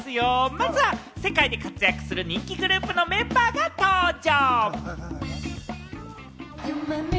まずは世界で活躍する人気グループのメンバーが登場。